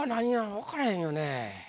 分からへんよね。